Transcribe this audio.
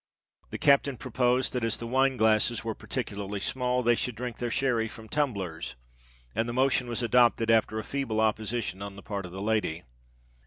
The captain proposed that as the wine glasses were particularly small, they should drink their Sherry from tumblers; and the motion was adopted after a feeble opposition on the part of the lady.